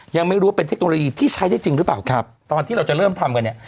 ยังไม่รู้ว่าเป็นเทคโนโลยีที่ใช้ได้จริงหรือเปล่าครับตอนที่เราจะเริ่มทำกันเนี่ย